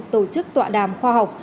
tổ chức tọa đàm khoa học